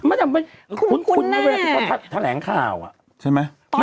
มันยังไม่คุ้นในเวลาที่เขาทะแหลงข่าวอะใช่ไหม